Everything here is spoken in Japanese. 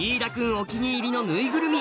お気に入りのぬいぐるみ